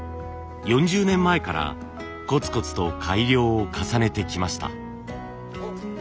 ４０年前からコツコツと改良を重ねてきました。